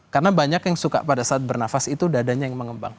karena banyak yang suka pada saat bernafas itu dadanya yang mengembang